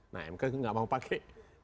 nah mk nggak mau pakai